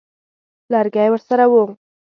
لرګی ورسره وو.